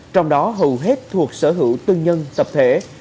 trong đó hầu hết thuộc sở hữu tư nhân tập thể